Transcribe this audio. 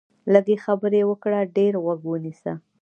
لږې خبرې وکړه، ډېر غوږ ونیسه